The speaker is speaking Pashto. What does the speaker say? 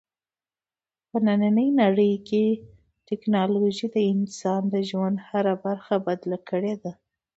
په نننۍ نړۍ کې ټیکنالوژي د انسان د ژوند هره برخه بدله کړې ده.